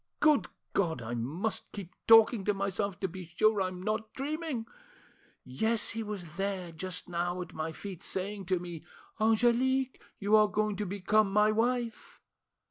Good God! I must keep talking to myself, to be sure I'm not dreaming. Yes, he was there, just now, at my feet, saying to me, 'Angelique, you are going to become my wife.